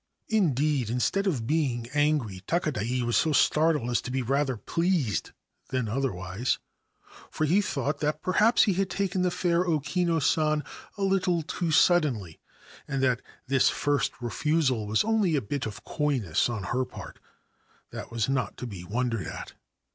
Indeed, instead of being angry, Takadai was so startled as to be rather pleased than otherwise ; for he thought that perhaps he had taken the fair O Kinu San a little too suddenly, and that this first refusal was only a bit of coyness on her part that was not to be wondered at.